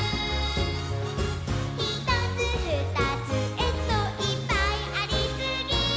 「ひとつふたつえっといっぱいありすぎー！！」